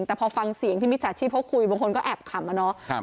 แต่พอฟังเสียงที่มิจฉาชีพเขาคุยบางคนก็แอบขำอะเนาะ